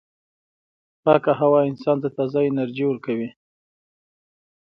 پاکه هوا انسان ته تازه انرژي ورکوي.